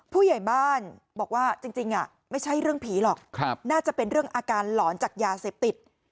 ผู้ใหญ่บ้านบอกว่าจริงไม่ใช่เรื่องผีหรอกน่าจะเป็นเรื่องอาการหลอนจากยาเสพติด